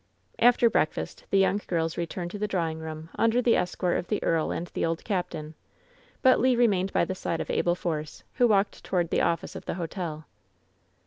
After breakfast the young girls returned to the draw ing room under the escort of the earl and the old cap tain; but Le remained by the side of Abel Force, who walked toward the office of the hotel.